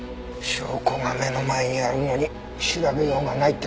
証拠が目の前にあるのに調べようがないって事か。